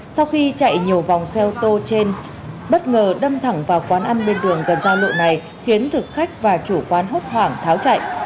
sau khi chạy nhiều vòng xe ô tô trên bất ngờ đâm thẳng vào quán ăn bên đường gần giao lộ này khiến thực khách và chủ quán hốt hoảng tháo chạy